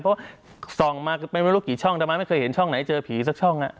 เพราะว่าส่องมาไม่รู้กี่ช่องแต่มันไม่เคยเห็นช่องไหนเจอผีสักช่อง